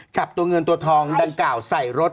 จับตัวเงินตัวทองดังกล่าวใส่รถ